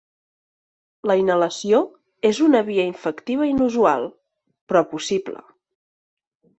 La inhalació és una via infectiva inusual, però possible.